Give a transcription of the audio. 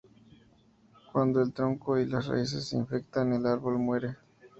Cuando el tronco y las raíces se infectan el árbol muere.